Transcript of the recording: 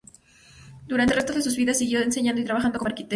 Durante el resto de su vida, siguió enseñando y trabajando como arquitecto.